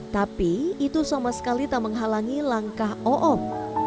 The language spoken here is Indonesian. tapi itu sama sekali tak menghalangi langkah oom ⁇